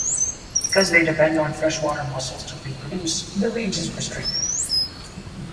Because they depend on freshwater mussels to reproduce, their range is restricted.